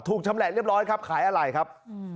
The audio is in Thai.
ชำแหละเรียบร้อยครับขายอะไรครับ